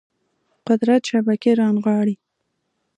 قدرت شبکې رانغاړي